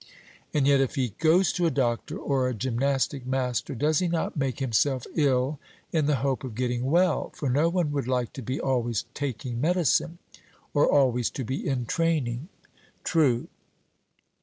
And yet if he goes to a doctor or a gymnastic master, does he not make himself ill in the hope of getting well? for no one would like to be always taking medicine, or always to be in training. 'True.'